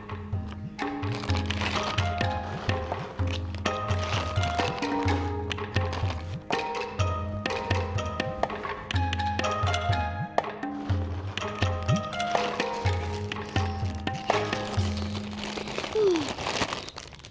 nunggu kicimpringnya nini masukin dulu ke plastik